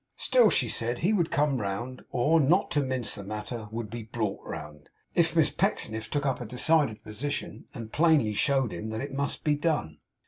Still, she said, he would come round, or, not to mince the matter, would be brought round, if Miss Pecksniff took up a decided position, and plainly showed him that it must be done.